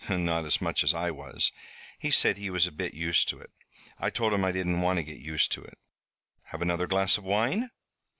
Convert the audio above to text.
"Not as much as I was. He said he was a bit used to it. I told him I didn't want to get used to it. Have another glass of wine?"